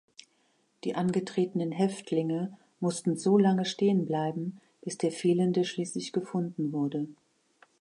Die angetretenen Häftlinge mußten so lange stehen bleiben, bis der Fehlende schließlich gefunden wurde.